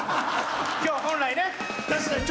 今日は本来ね。